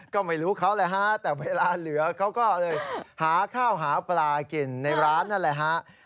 ก็ไม่รู้เขาแหละฮะแต่เวลาเหลือเขาก็เลยหาข้าวหาปลากินในร้านนั่นแหละฮะ